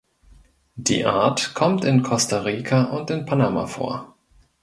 Die Art kommt in Costa Rica und in Panama vor.